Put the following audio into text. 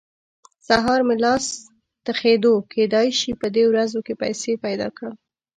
سهار مې لاس تخېدو؛ کېدای شي په دې ورځو کې پيسې پیدا کړم.